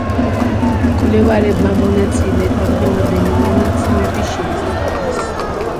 მკვლევარებმა მონაწილეთა დღევანდელი მონაცემები შეისწავლეს.